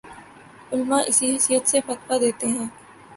علما اسی حیثیت سے فتویٰ دیتے ہیں